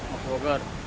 mau ke bogor